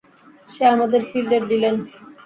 সে আমাদের ফিল্মের ভিলেন।